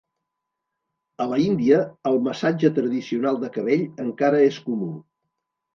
A la India, el massatge tradicional de cabell encara és comú.